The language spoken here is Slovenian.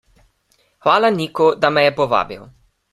Hvala Niku, da me je povabil.